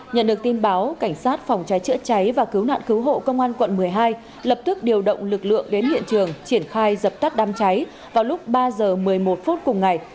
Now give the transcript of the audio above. nhận được tin báo cảnh sát phòng cháy chữa cháy và cứu nạn cứu hộ công an quận một mươi hai lập tức điều động lực lượng đến hiện trường triển khai dập tắt đám cháy vào lúc ba h một mươi một phút cùng ngày